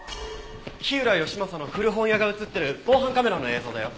火浦義正の古本屋が映ってる防犯カメラの映像だよ。